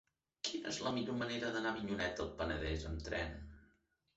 Quina és la millor manera d'anar a Avinyonet del Penedès amb tren?